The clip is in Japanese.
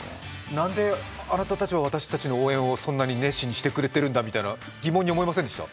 なんであなたたちは私たちの応援をそんなに熱心にしてくれてるんだって疑問に思いませんでした？